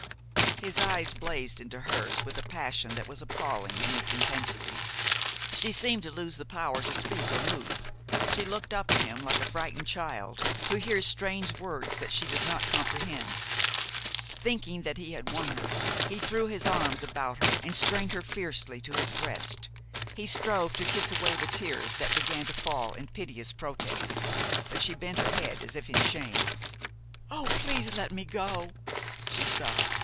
His eyes blazed into hers with a passion that was appalling in its intensity. She seemed to lose the power to speak or move. She looked up at him like a frightened child, who hears strange words that she does not comprehend. Thinking he had won her, he threw his arms about her and strained her fiercely to his breast. He strove to kiss away the tears that began to fall in piteous protest; but she bent her head as if in shame. "Oh, please let me go!" she sobbed.